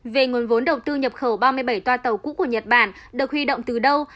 về nguồn vốn đầu tư nhập khẩu ba mươi bảy toa tàu cũ của nhật bản được huy động từ đâu